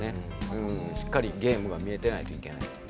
しっかりゲームが見えてないといけないっていう。